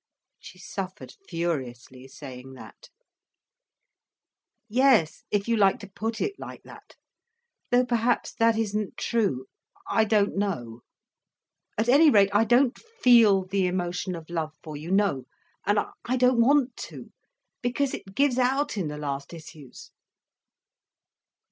She suffered furiously, saying that. "Yes, if you like to put it like that. Though perhaps that isn't true. I don't know. At any rate, I don't feel the emotion of love for you—no, and I don't want to. Because it gives out in the last issues."